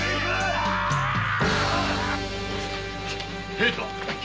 平太！